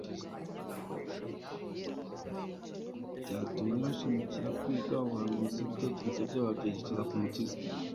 Byatumye bashimikira kwiga ubuhanuzi, ibitekerezo byabo babyerekeza ku Mukiza,